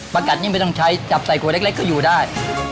ประกัดยิ่งไม่ต้องใช้จับใส่ขวดเล็กก็อยู่ได้